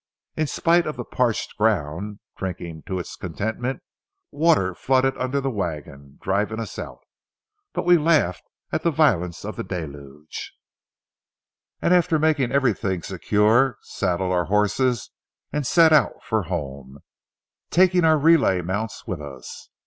In spite of the parched ground drinking to its contentment, water flooded under the wagon, driving us out. But we laughed at the violence of the deluge, and after making everything secure, saddled our horses and set out for home, taking our relay mounts with us.